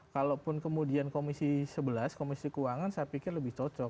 kalaupun kemudian komisi sebelas komisi keuangan saya pikir lebih cocok